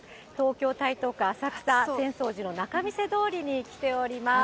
東京・台東区浅草、浅草寺の仲見世通りに来ています。